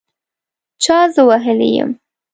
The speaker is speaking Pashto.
چا زه وهلي یم